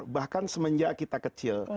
bahkan semenjak kita kecil